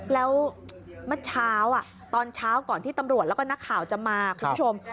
แล้วเมื่อเช้าตอนเช้าก่อนที่ตำรวจแล้วก็นักข่าวจะมาคุณผู้ชม